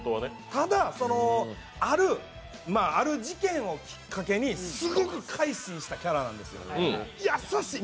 ただ、ある事件をきっかけにすごく改心したキャラなんですよね、優しい。